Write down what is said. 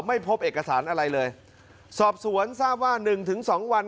ไม่พบเอกสารอะไรเลยสอบสวนทราบว่าหนึ่งถึงสองวัน